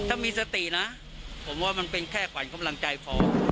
ถ้ามีสตินะผมว่ามันเป็นแค่ขวัญกำลังใจพอ